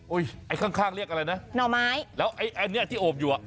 อุ้ยข้างเรียกอะไรนะหน่อไม้แล้วอันนี้ที่โอบอยู่